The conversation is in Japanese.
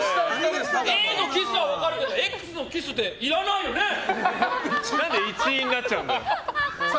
Ａのキスは分かるけどＸのキスは何で一員になっちゃうんだよ。